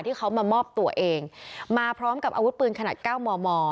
ที่เขามามอบตัวเองมาพร้อมกับอาวุธปืนขนาด๙มม